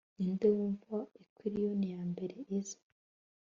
ninde wumva aquilons yambere iza